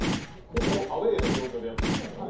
ほぼアウェーの状況でやってますよね。